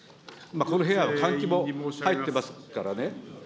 この部屋は換気も入ってますからね。